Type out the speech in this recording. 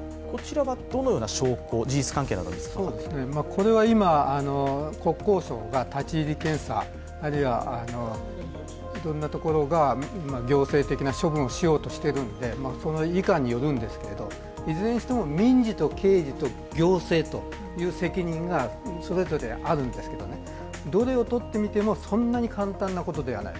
これは今、国交省が立ち入り検査、あるいはいろんなところが行政的な処分をしようとしているので、そのいかんによるんですけど、いずれにしても民事と刑事と行政という責任がそれぞれあるんですけどね、どれをとってみても、そんなに簡単なことではない。